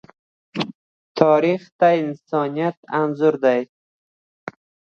تاریخ د انسانیت انځور دی.